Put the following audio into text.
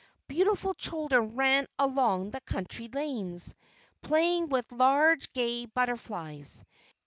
Beautiful children ran along the country lanes, playing with large gay butterflies.